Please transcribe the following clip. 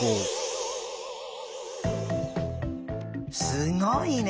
すごいね！